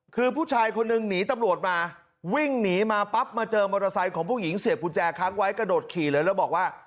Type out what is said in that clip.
คือผู้ชายคนหนึ่งหนีตำรวจมาวิ่งหนีมาปั๊บมาเจอมอเตอร์ไซค์ของผู้หญิงเสียบกุญแจค้างไว้กระโดดขี่เลยแล้วบอกว่า